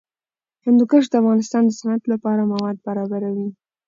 هندوکش د افغانستان د صنعت لپاره مواد برابروي.